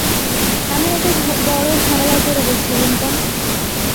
আমি একটা বড় ঝামেলায় পড়ে গেছি, লিংকন।